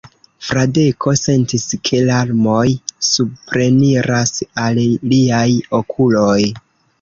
Fradeko sentis, ke larmoj supreniras al liaj okuloj.